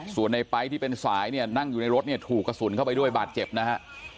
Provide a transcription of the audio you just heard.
ส่วนในไป๊ที่เป็นสายเนี่ยนั่งอยู่ในรถเนี่ยถูกกระสุนเข้าไปด้วยบาดเจ็บนะฮะ